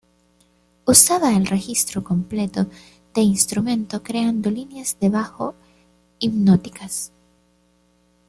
Usaba el registro completo del instrumento, creando líneas de bajo hipnóticas.